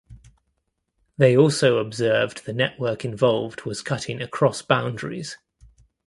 They also observed the network involved was cutting across boundaries.